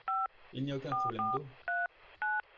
Il n'y a aucun problème d'eau.